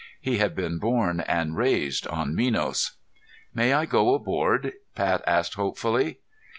He had been born and raised on Minos. "May I go aboard?" Pat asked hopefully.